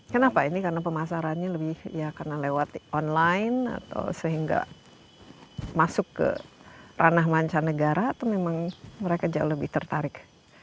kenapa ini karena pemasarannya lebih ya karena lewat online atau sehingga masuk ke ranah mancanegara atau memang mereka jauh lebih tertarik